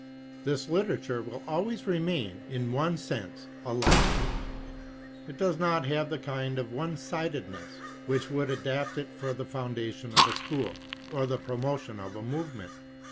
This literature will always remain in one sense a luxury; it does not have the kind of one sidedness which would adapt it for the foundation of a school or the promotion of a movement.